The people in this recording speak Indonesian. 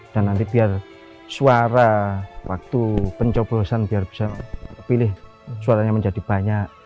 dan nanti biar suara waktu pencobosan biar bisa pilih suaranya menjadi banyak